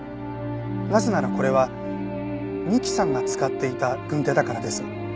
なぜならこれは美希さんが使っていた軍手だからです。